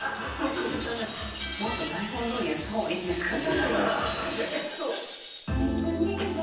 もっと台本どおりやった方がいいんですかね？